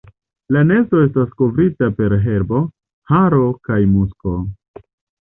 La nesto estas kovrita per herbo, haro kaj musko.